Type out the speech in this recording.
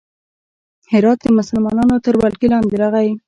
هرات د مسلمانانو تر ولکې لاندې راغی.